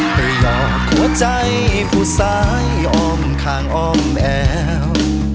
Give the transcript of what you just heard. เพื่อยอบหัวใจผู้ซ้ายออมขางออมแอว